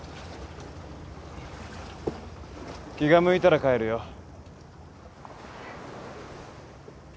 気が向いたら帰るよ。